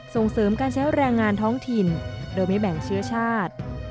ส่งเสริมการใช้แรงงานท้องถิ่นโดยไม่แบ่งเชื้อชาติ